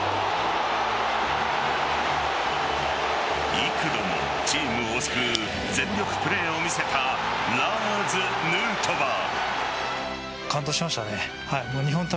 幾度もチームを救う全力プレーを見せたラーズ・ヌートバー。